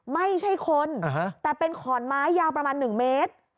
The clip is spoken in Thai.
ไม่ใช่คนแต่เป็นขอนไม้ยาวประมาณ๑เมตร